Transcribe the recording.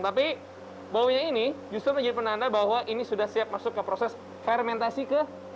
tapi baunya ini justru menjadi penanda bahwa ini sudah siap masuk ke proses fermentasi ke